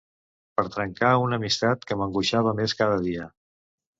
Per trencar una amistat que m’angoixava més cada dia.